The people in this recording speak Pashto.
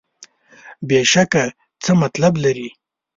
بېشکه څه مطلب لري.